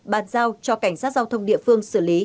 bàn giao cho cảnh sát giao thông địa phương xử lý